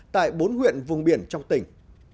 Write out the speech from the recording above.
tại bốn huyện vùng biển trong tỉnh